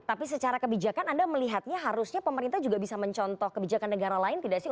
tapi secara kebijakan anda melihatnya harusnya pemerintah juga bisa mencontoh kebijakan negara lain tidak sih